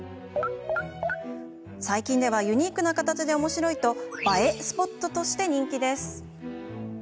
最近ではユニークな形でおもしろいと映えスポットとして人気です。